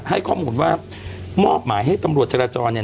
ให้ข้อมูลว่ามอบหมายให้ตำรวจจราจรเนี่ย